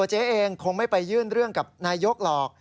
เจ๊เองคงไม่ไปยื่นเรื่องกับนายกหรอก